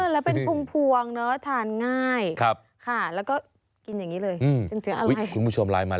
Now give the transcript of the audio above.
แล้วเป็นพุงพวงเนอะทานง่ายค่ะแล้วก็กินอย่างนี้เลยจนเจออะไร